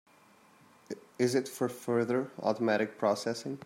Is it for further automatic processing?